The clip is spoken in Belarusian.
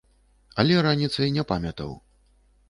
Але раніцай не памятаў.